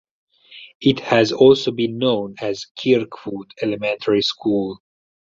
It has also been known as Kirkwood Elementary School.